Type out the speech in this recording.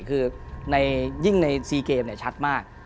คือยิ่งในซีเกมส์เนี่ยชัดมาก